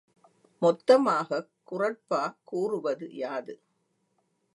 மொத்தமாகக் குறட்பா கூறுவது யாது?